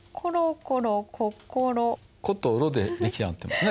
「コ」と「ロ」で出来上がってますね。